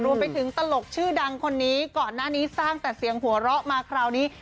ตลกชื่อดังคนนี้ก่อนหน้านี้สร้างแต่เสียงหัวเราะมาคราวนี้